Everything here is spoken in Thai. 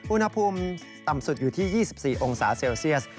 อุณหภูมิต่ำสุดอยู่ที่๒๔องศาเซลเซียส